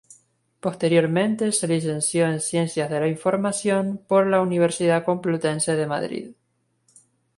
Posteriormente se licenció en Ciencias de la Información por la Universidad Complutense de Madrid.